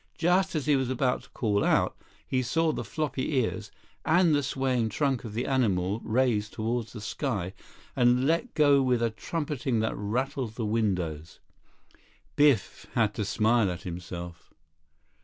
Just as he was about to call out, he saw the floppy ears and the swaying trunk of the animal raise toward the sky, and let go with a trumpeting that rattled the windows. Biff had to smile at himself.